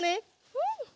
うん！